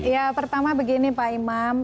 ya pertama begini pak imam